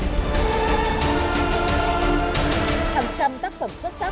hàng trăm tác phẩm xuất sắc